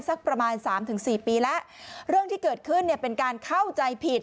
สักประมาณ๓๔ปีแล้วเรื่องที่เกิดขึ้นเป็นการเข้าใจผิด